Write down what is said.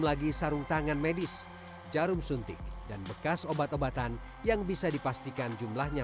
lagi sarung tangan medis jarum suntik dan bekas obat obatan yang bisa dipastikan jumlahnya